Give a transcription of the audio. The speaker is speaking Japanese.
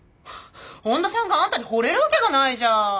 本田さんがあんたにほれるわけがないじゃん。